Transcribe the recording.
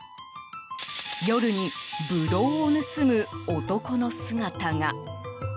夜にブドウを盗む男の姿が。